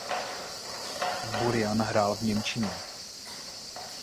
Burian hrál v němčině.